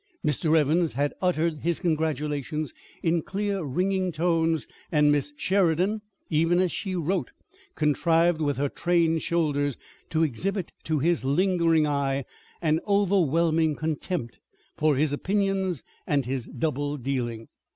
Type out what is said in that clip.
Mr. Evans had uttered his congratulations in clear, ringing tones and Miss Sheridan, even as she wrote, contrived with her trained shoulders to exhibit to his lingering eye an overwhelming contempt for his opinions and his double dealing.